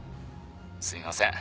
すいません。